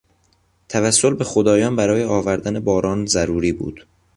توسل به خدایان برای آوردن باران ضروری بود.